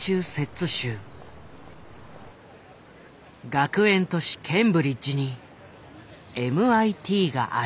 学園都市ケンブリッジにＭＩＴがある。